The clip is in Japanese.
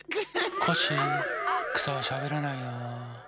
コッシーくさはしゃべらないよ。